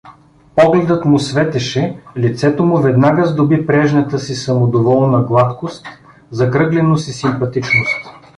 Погледът му светеше; лицето му веднага сдоби прежнята си самодоволна гладкост, закръгленост и симпатичност.